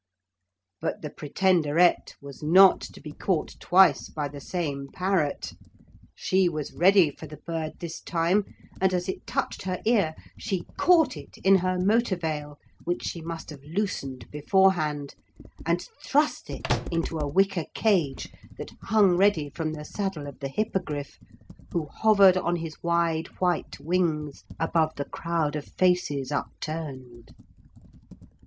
But the Pretenderette was not to be caught twice by the same parrot. She was ready for the bird this time, and as it touched her ear she caught it in her motor veil which she must have loosened beforehand, and thrust it into a wicker cage that hung ready from the saddle of the Hippogriff who hovered on his wide white wings above the crowd of faces upturned.